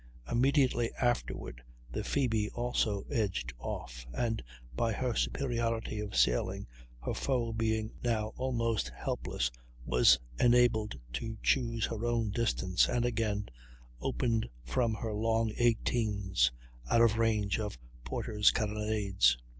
Immediately afterward the Phoebe also edged off, and by her superiority of sailing, her foe being now almost helpless, was enabled to choose her own distance, and again opened from her long 18's, out of range of Porter's carronades.